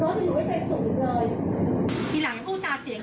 เห็นไหมนี่คือเหตุผลของเขาหมาพี่ไม่ใช่หมาสกปรก